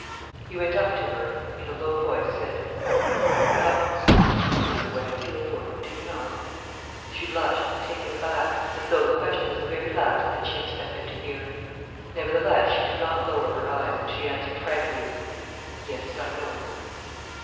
He went up to her and, in a low voice, said: "Florence, you know what I feel for you, do you not?" She blushed, taken aback, as though the question was the very last that she expected to hear. Nevertheless, she did not lower her eyes, and she answered frankly: "Yes, I know."